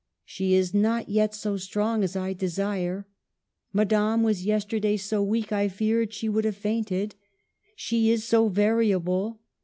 '' She is not yet so strong as I desire." " Ma dame was yesterday so weak, I feared she would have fainted." " She is so variable."